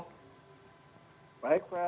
baik pak terima kasih